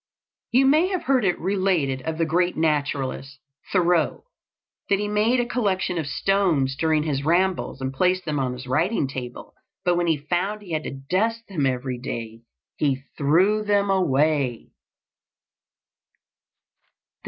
You may have heard it related of the great naturalist, Thoreau, that he made a collection of stones during his rambles, and placed them on his writing table; but when he found he had to dust them every day, he threw them away.